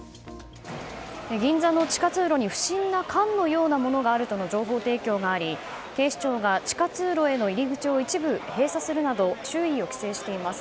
銀座の地下通路に不審な缶のようなものがあるとの情報提供があり警視庁が、地下通路への入り口を一部封鎖するなど周囲を規制しています。